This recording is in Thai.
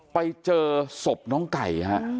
ไปเจอศพน้องไก่ฮะ